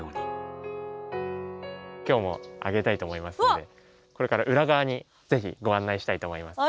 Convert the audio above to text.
今日もあげたいと思いますのでこれから裏側にぜびご案内したいと思います。